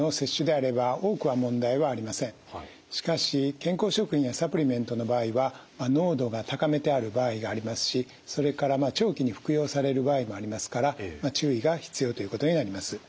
しかし健康食品やサプリメントの場合は濃度が高めてある場合がありますしそれから長期に服用される場合もありますから注意が必要ということになります。